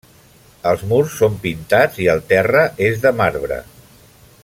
Els murs són pintats i el terra és de marbre.